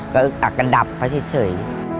ก็อึกอักกะดับเพราะเฉย